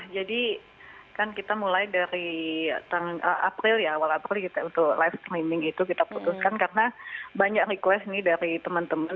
jadi kan kita mulai dari april ya awal april kita untuk live streaming gitu kita putuskan karena banyak request nih dari teman teman